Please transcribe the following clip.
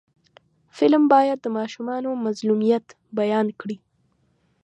فلم باید د ماشومانو مظلومیت بیان کړي